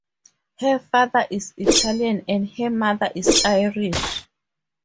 Her father is Italian, and her mother is Irish.